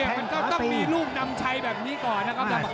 มันก็ต้องมีลูกนำชัยแบบนี้ก่อนนะครับ